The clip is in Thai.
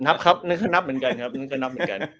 นับครับนั่นก็นับเหมือนกันครับ